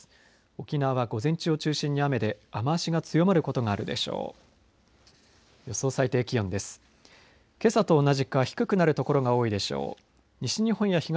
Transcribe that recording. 沖縄は午前中を中心に雨で雨足が強まることがあるでしょう。